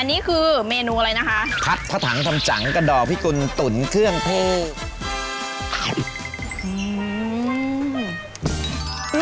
อันนี้คือเมนูอะไรนะคะพัดผ้าถังทำจังกระดอกพิกุลตุ๋นเครื่องเทศอืม